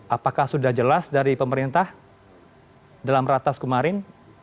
apakah sudah jelas dari pemerintah dalam ratas kemarin